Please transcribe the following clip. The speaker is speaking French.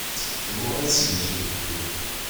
Je vous remercie, monsieur le député.